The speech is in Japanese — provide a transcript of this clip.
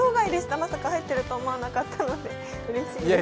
まさか入ってると思わなかったのでうれしいです。